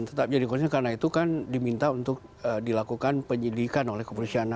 tetap jadi konsen karena itu kan diminta untuk dilakukan penyidikan oleh kepolisian